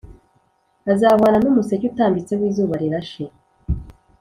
azahwana n’umuseke utambitse w’izuba rirashe,